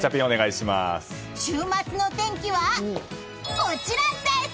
週末の天気は、こちらです！